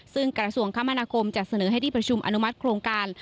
ซึ่งกระทรวงคมนาคมจะเสนอให้ที่ประชุมอนุมัติโครงการ